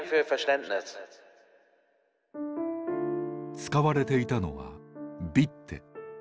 使われていたのは「ビッテ」